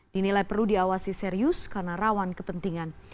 dinilai perlu diawasi serius karena rawan kepentingan